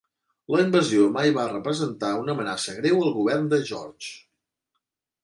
La invasió mai va representar una amenaça greu al Govern de George.